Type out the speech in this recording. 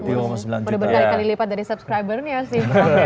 udah berkali kali lipat dari subscribernya sih